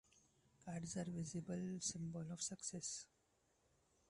Cards are a visible symbol of success.